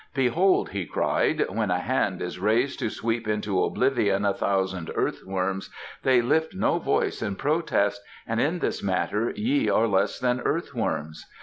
"Behold," he cried, "when a hand is raised to sweep into oblivion a thousand earthworms they lift no voice in protest, and in this matter ye are less than earthworms.